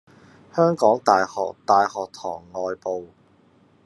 香港大學大學堂外部